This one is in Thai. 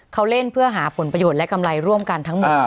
เขาเล่นเพื่อหาผลประโยชน์และกำไรร่วมกันทั้งหมด